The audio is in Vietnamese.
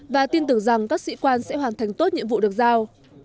và tin tưởng rằng các sĩ quan sẽ hoàn thành tốt nhiệm vụ được giao